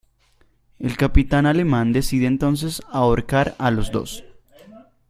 El capitán alemán decide entonces ahorcar a los dos.